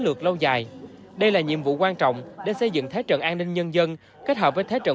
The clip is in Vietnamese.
lược lâu dài đây là nhiệm vụ quan trọng để xây dựng thế trận an ninh nhân dân kết hợp với thế trận